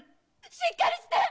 しっかりして！